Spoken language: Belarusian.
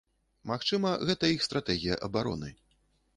Магчыма, гэта іх стратэгія абароны.